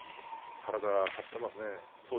体が張っていますね。